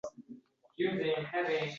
o‘z vaqtida burnini artisharmikin?”